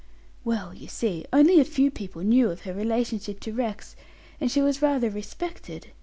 "Well, you see, only a few people knew of her relationship to Rex, and she was rather respected.